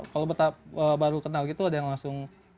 kalau baru kenal gitu ada yang langsung